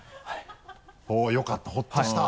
おっよかったホッとした。